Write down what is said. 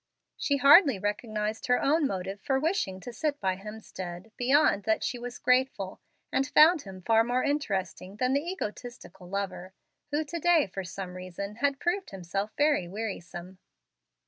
She hardly recognized her own motive for wishing to sit by Hemstead, beyond that she was grateful, and found him far more interesting than the egotistical lover, who to day, for some reason, had proved himself very wearisome.